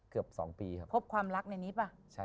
ครับ๒ปีครับ